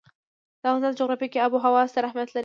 د افغانستان جغرافیه کې آب وهوا ستر اهمیت لري.